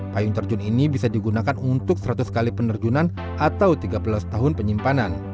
payung terjun ini bisa digunakan untuk seratus kali penerjunan atau tiga belas tahun penyimpanan